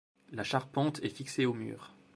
La charpente est fixée au mur